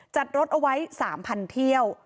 จัดรถเอาไว้๓๐๐เที่ยว